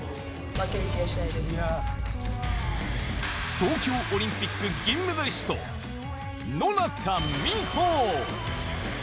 東京オリンピック銀メダリスト、野中生萌。